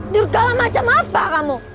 durkala macam apa kamu